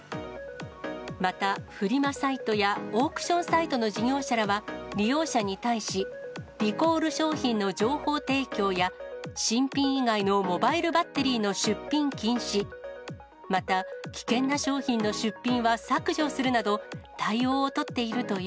またフリマサイトやオークションサイトの事業者らは、利用者に対し、リコール商品の情報提供や新品以外のモバイルバッテリーの出品禁止、また危険な商品の出品は削除するなど、対応を取っているとい